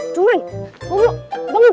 jangan banget bangun